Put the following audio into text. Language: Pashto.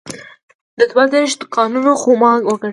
دوه دېرش دوکانونه خو ما وګڼل.